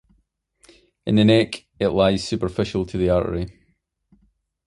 In the neck it lies superficial to the artery.